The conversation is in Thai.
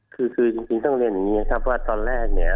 คือจริงจึงต้องเรียนหนึ่งนี้คับว่าตอนแรกเนี่ย